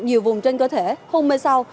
nhiều vùng trên cơ thể không mê sau